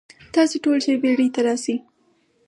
تاسو ټول ژر بیړۍ ته راشئ.